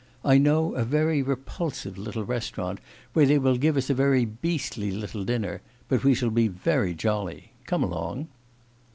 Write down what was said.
I know a very repulsive little restaurant, where they will give us a very beastly little dinner; but we shall be very jolly. Come along.